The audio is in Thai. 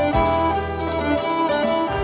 สวัสดีค่ะ